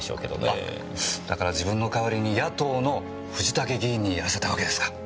あっだから自分の代わりに野党の藤竹議員にやらせたわけですか。